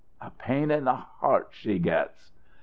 "A pain in the heart she gets!"